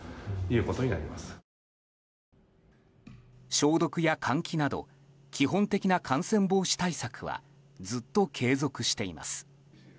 消毒や換気など基本的な感染防止対策はずっと継続しています。